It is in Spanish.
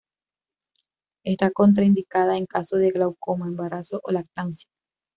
Está contraindicada en caso de glaucoma, embarazo o lactancia.